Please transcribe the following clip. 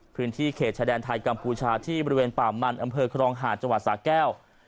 พื้นที่เขตชายแดนไทยกัมพูชาที่บริเวณป่ามันอำเภอครองหาดจังหวัดสาแก้ว